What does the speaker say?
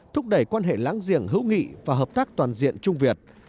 thúc đẩy quan hệ láng giềng hữu nghị và hợp tác toàn diện trung việt